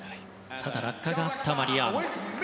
ただ落下があったマリアーノ。